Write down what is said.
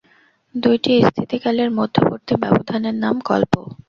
দুইটি স্থিতিকালের মধ্যবর্তী ব্যবধানের নাম কল্প।